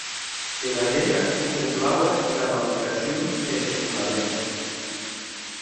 Era gent ac contemplaue damb admiracion e estonament.